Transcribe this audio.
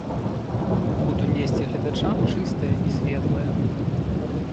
Буду несці гледачам чыстае і светлае.